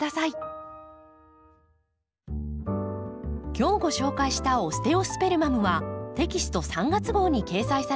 今日ご紹介したオステオスペルマムはテキスト３月号に掲載されています。